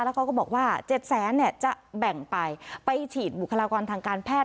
แล้วเขาก็บอกว่า๗แสนเนี่ยจะแบ่งไปไปฉีดบุคลากรทางการแพทย์